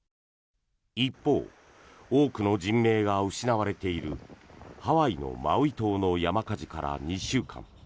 一方、多くの人命が失われているハワイのマウイ島の山火事から２週間。